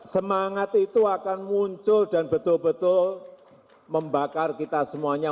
semangat itu akan muncul dan betul betul membakar kita semuanya